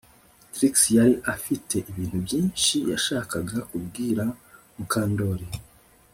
Trix yari afite ibintu byinshi yashakaga kubwira Mukandoli